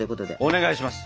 お願いします。